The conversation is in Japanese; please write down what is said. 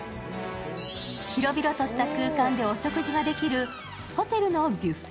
広々とした空間でお食事ができるホテルのビュッフェ